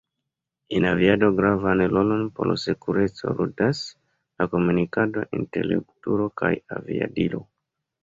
En aviado gravan rolon por sekureco ludas la komunikado inter regturo kaj aviadilo.